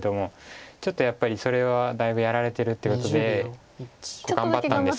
ちょっとやっぱりそれはだいぶやられてるってことで頑張ったんですけど。